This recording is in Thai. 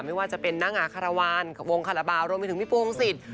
ไม่ว่าจะเป็นนางอาคารวาลวงคาราบาลรวมไปถึงพี่ปูวงศิษย์